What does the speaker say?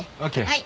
はい。